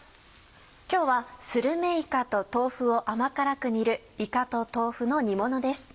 今日はするめいかと豆腐を甘辛く煮る「いかと豆腐の煮もの」です。